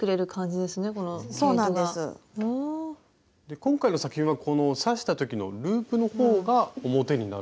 今回の作品はこの刺した時のループのほうが表になる？